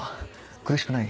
苦しくない？